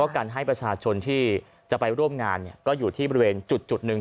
กันให้ประชาชนที่จะไปร่วมงานก็อยู่ที่บริเวณจุดหนึ่ง